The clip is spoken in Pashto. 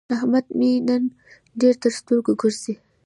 احمد مې نن ډېر تر سترګو ګرځي.